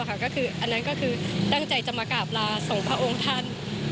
ก็คืออันนั้นก็คือตั้งใจจะมากราบลาส่งพระองค์ท่าน